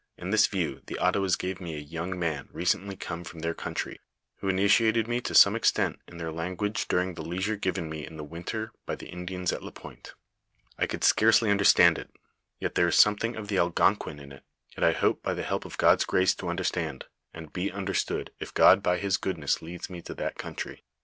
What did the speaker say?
In this view, the Ottawaa gave me a young man recently come from their country, who initiated me to some extent in their language during the leisure given me in the winter by the Indians at Lapointe. I could scarcely underetand it, though there is something of the Algonquin in it ; yet I hope by the help of God's grace to understand, and be understood if God by his goodness leads me to that country.